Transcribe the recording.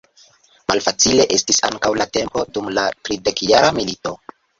Malfacile estis ankaŭ la tempo dum la Tridekjara milito.